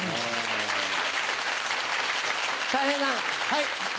はい。